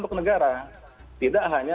untuk negara tidak hanya